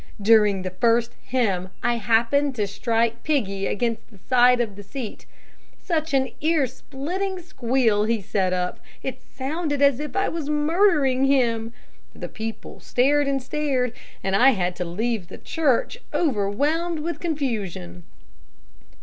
During the first hymn I happened to strike Piggy against the side of the seat. Such an ear splitting squeal as he set up. It sounded as if I was murdering him. The people stared and stared, and I had to leave the church, overwhelmed with confusion."